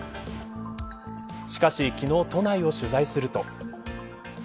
しかし昨日、都内を取材すると。